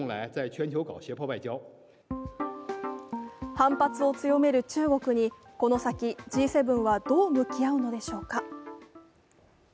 反発を強める中国にこの先、Ｇ７はどう向き合うのでしょうか？